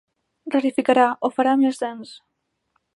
Rarificarà, ho farà més dens.